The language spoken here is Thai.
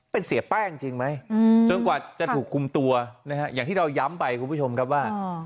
เป็นเสียแป้งจริงไหมจนกว่าจะถูกคุมตัวนะฮะอย่างที่เราย้ำไปคุณผู้ชมครับว่า